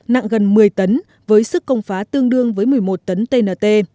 nặng gần một mươi tấn với sức công phá tương đương với một mươi một tấn tnt